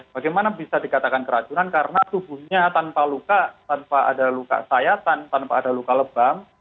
bagaimana bisa dikatakan keracunan karena tubuhnya tanpa luka tanpa ada luka sayatan tanpa ada luka lebam